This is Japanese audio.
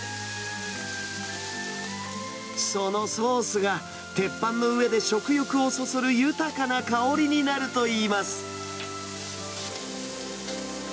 そのソースが、鉄板の上で食欲をそそる豊かな香りになるといいます。